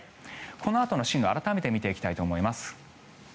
このあとの進路改めて見ていきたいと思います。